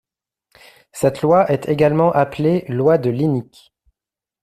Cette loi est également appelée loi de Linnik.